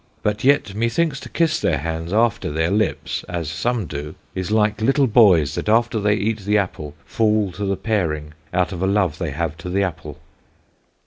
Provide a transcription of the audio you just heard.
But yet methinks to kiss their Hands after their Lips, as some do, is like little Boys, that after they eat the apple, fall to the Paring, out of a Love they have to the Apple.